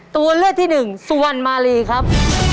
ตัวเลือกที่หนึ่งสุวรรณมารีครับ